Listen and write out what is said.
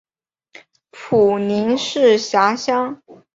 普宁市辖乡。